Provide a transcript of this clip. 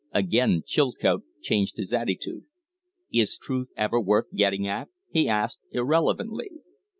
Again Chilcote changed his attitude. "Is truth ever worth getting at?" he asked, irrelevantly.